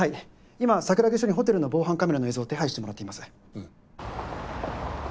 今桜木署にホテルの防犯カメラの映像を手配してもらっています。